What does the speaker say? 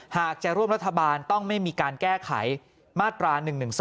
หากจะร่วมรัฐบาลต้องไม่มีการแก้ไขมาตรา๑๑๒